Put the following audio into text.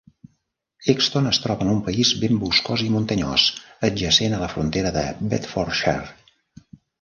Hexton es troba en un país ben boscós i muntanyós, adjacent a la frontera de Bedfordshire.